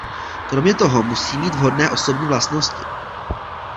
Kromě toho musí mít vhodné osobní vlastnosti.